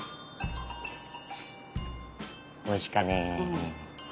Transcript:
おいしかね。